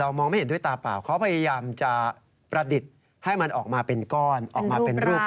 เรามองไม่เห็นด้วยตาเปล่าข้าพยายามจะประดิษฐ์ให้มันออกมาเป็นก้อน